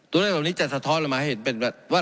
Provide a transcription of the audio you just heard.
ตัวเลขเหล่านี้จะสะท้อนลงมาให้เห็นเป็นว่า